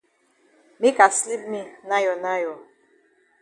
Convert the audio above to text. Make I sleep me nayo nayo.